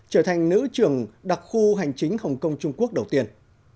trở thành nữ trưởng đặc khu hành chính hồng kông trung quốc đầu tiên